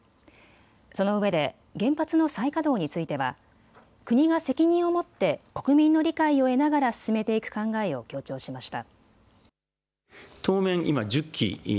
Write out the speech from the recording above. そのうえで原発の再稼働については国が責任を持って国民の理解を得ながら進めていく考えを強調しました。